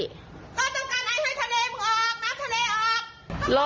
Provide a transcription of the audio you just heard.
ก็ต้องการให้ทะเลมึงออกน้ำทะเลออก